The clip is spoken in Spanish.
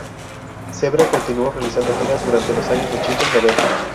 Zebra continuó realizando giras durante los años ochenta y noventa.